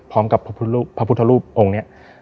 พร้อมกับพระพุทธรูปองค์นี้